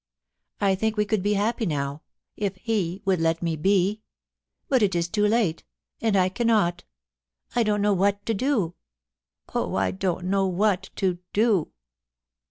I think we could be happy now, if Jie would let me be ; but it is too late, and I cannot — I don't know what to do. Oh, I don't know what to do